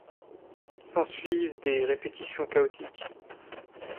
S'ensuivent des répétitions chaotiques.